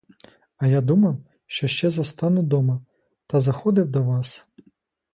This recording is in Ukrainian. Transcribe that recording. А я думав, що ще застану дома, та заходив до вас.